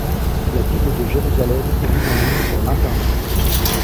La Bible de Jérusalem est mise en ligne sur l'Internet.